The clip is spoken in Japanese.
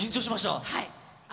はい。